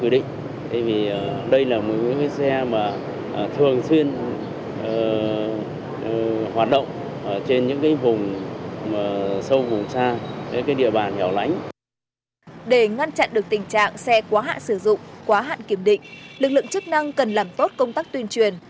để ngăn chặn được tình trạng xe quá hạn sử dụng quá hạn kiểm định lực lượng chức năng cần làm tốt công tác tuyên truyền